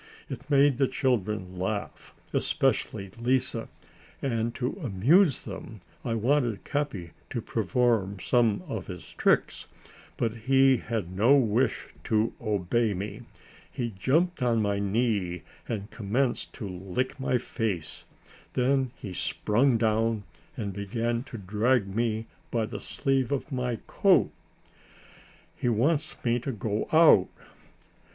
It made the children laugh, especially Lise, and to amuse them I wanted Capi to perform some of his tricks, but he had no wish to obey me; he jumped on my knee and commenced to lick my face; then he sprung down and began to drag me by the sleeve of my coat. "He wants me to go out."